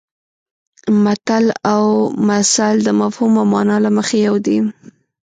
متل او مثل د مفهوم او مانا له مخې یو دي